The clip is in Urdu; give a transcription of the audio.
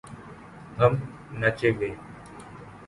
ہم ناچے گے